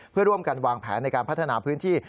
เพื่อร่วมกันวางแผนในการพัฒนาพื้นที่